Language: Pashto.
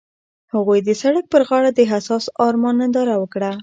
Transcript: هغوی د سړک پر غاړه د حساس آرمان ننداره وکړه.